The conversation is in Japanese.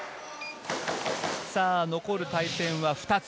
残る対戦は２つ。